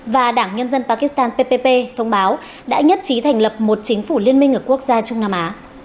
và đảng nhân dân pakistan ppp thông báo đã nhất trí thành lập một chính phủ liên minh ở quốc gia trung nam á